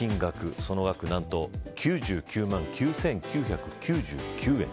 その額何と９９万９９９９円。